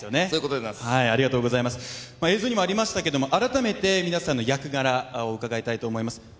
そういうことですありがとうございます映像にもありましたけども改めて皆さんの役柄を伺いたいと思います